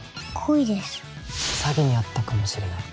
詐欺に遭ったかもしれない。